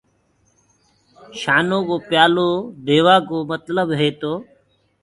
شآنو ڪو پيآلو ديوآ ڪو متلب تو هي تو،